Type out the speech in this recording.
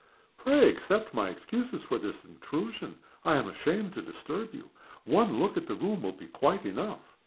"Pray accept my excuses for this intrusion. I am ashamed to disturb you. One look at the room will be quite enough."